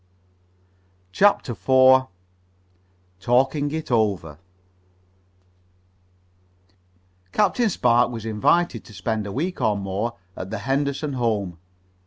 CHAPTER IV TALKING IT OVER Captain Spark was invited to spend a week or more at the Henderson home.